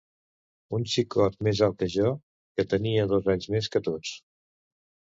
Un xicot més alt que jo, que tenia dos anys més que tots.